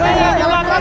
weh yang jalan jalan